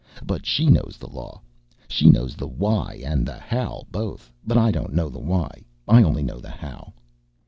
But she knows the law. She knows the why and the how both; but I don't know the why; I only know the how."